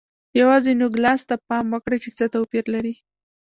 یوازې نوګالس ته پام وکړئ چې څه توپیر لري.